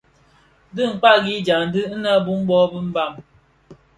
Bi kpagi dyandi innë boumbot dhi Mbam.